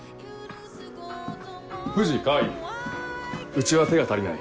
藤川合うちは手が足りない。